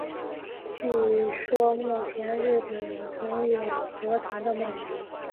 据说目前日本存有河童的木乃伊。